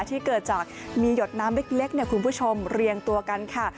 ที่เกิดจากมีหยดน้ำเล็กคุณผู้ชมเรียงตัวกันค่ะ